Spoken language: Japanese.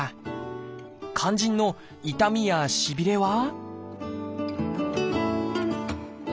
肝心の痛みやしびれは？